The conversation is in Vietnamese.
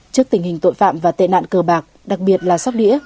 trước tình hình tội phạm và tệ nạn cờ bạc đặc biệt là sóc đĩa